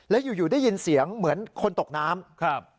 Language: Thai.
แล้วอยู่ได้ยินเสียงเหมือนคนตกน้ำครับ